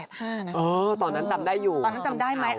ตอนนั้นจำได้อยู่ตอนนั้นจำได้ไหม